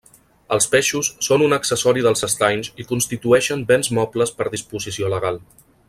Els peixos són un accessori dels estanys i constitueixen béns mobles per disposició legal.